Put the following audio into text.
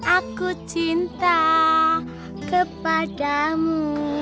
aku cinta kepadamu